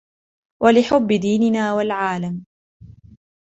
و لحب ديننا والعالم.